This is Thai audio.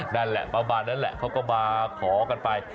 นั่นแหละประมาณนั้นแหละเขาก็มาขอกันไป